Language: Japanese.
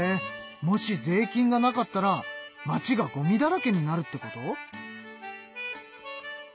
もし税金がなかったら町がごみだらけになるってこと？